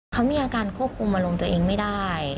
เขามีอาการควบคุมอารมณ์ตัวเองไม่ได้